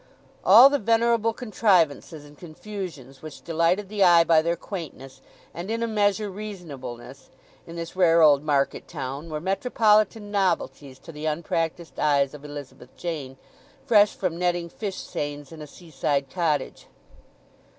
All the venerable contrivances and confusions which delighted the eye by their quaintness, and in a measure reasonableness, in this rare old market town, were metropolitan novelties to the unpractised eyes of Elizabeth Jane, fresh from netting fish seines in a seaside cottage.